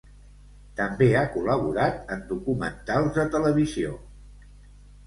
També ha col·laborat en documentals de televisió.